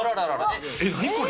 何これ？